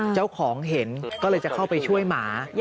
เจ้าของเห็นก็เลยจะเข้าไปช่วยหมา